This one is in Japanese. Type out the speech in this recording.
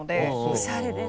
おしゃれです。